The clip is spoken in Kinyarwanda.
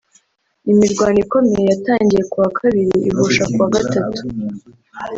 Imirwano ikomeye yatangiye ku wa kabiri ihosha ku wa gatatu